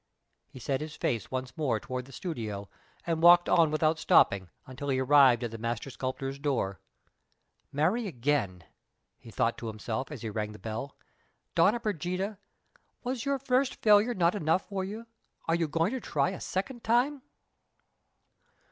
He set his face once more toward the studio, and walked on without stopping until he arrived at the master sculptor's door. "Marry again?" he thought to himself, as he rang the bell. "Donna Brigida, was your first failure not enough for you? Are you going to try a second time?"